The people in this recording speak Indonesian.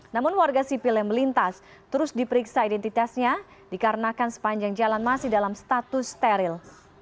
namun warga sipil yang melintas terus diperiksa identitasnya dikarenakan sepanjang jalan masih dalam status steril